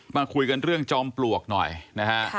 มาคุยกันเรื่องจอมปลวกหน่อยนะฮะ